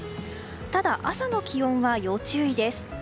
ただ、朝の気温は要注意です。